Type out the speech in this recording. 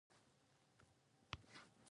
او په هغه ښار کې د امیر د وفات په وخت کې.